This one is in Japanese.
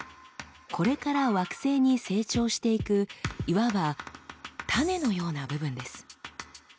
これから惑星に成長していくいわば種のような部分です。